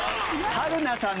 春菜さん